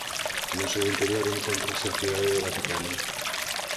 No seu interior encóntrase a Cidade do Vaticano.